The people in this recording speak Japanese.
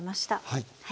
はい。